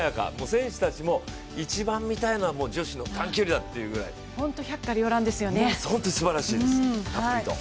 選手たちも、一番見たいのは女子の短距離だというくらいホントすばらしいです。